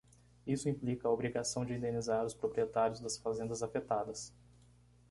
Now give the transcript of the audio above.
Isso implica a obrigação de indenizar os proprietários das fazendas afetadas.